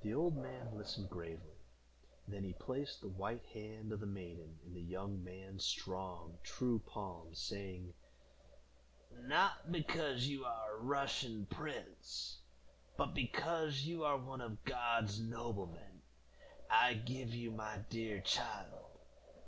The old man listened gravely; then he placed the white hand of the maiden in the young man's strong, true palm, saying, "Not because you are a Russian prince, but because you are one of God's noblemen, I give you my dear child.